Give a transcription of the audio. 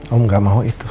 pak tidak mau itu